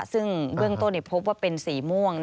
ซึ่งเบื้องต้นพบว่าเป็นสีม่วง